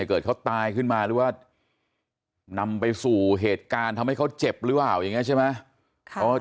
เกิดเขาตายขึ้นมาหรือว่านำไปสู่เหตุการณ์ทำให้เขาเจ็บหรือเปล่าอย่างนี้ใช่ไหม